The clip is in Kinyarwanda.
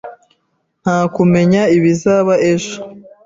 Nta kumenya ibizaba ejo